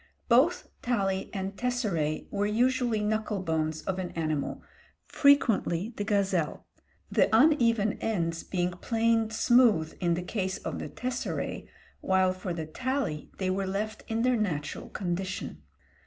Both tali and tesseræ were usually knuckle bones of an animal, frequently the gazelle; the uneven ends being planed smooth in the case of the tesseræ, while for the tali they were left in their natural condition.